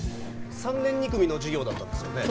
３年２組の授業だったんですよね。